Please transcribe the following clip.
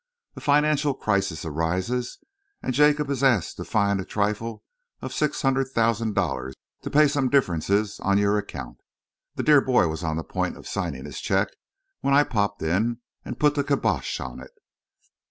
A financial crisis arises and Jacob is asked to find a trifle of six hundred thousand dollars to pay some differences on your account. The dear boy was on the point of signing his cheque when I popped in and put the kybosh on it."